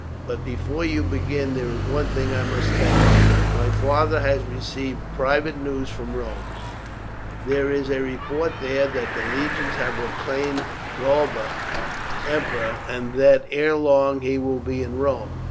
But before you begin there is one thing I must tell you. My father has received private news from Rome; there is a report there that the legions have proclaimed Galba emperor, and that ere long he will be in Rome.